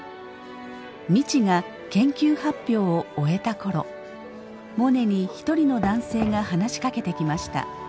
未知が研究発表を終えた頃モネに一人の男性が話しかけてきました。